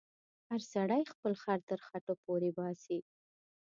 هر سړی خپل خر تر خټو پورې باسې.